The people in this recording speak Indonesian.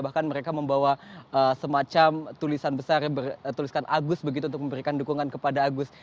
bahkan mereka membawa semacam tulisan besar bertuliskan agus begitu untuk memberikan dukungan kepada agus